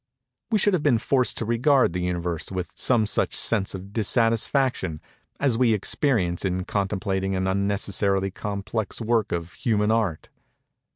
We should have been forced to regard the Universe with some such sense of dissatisfaction as we experience in contemplating an unnecessarily complex work of human art.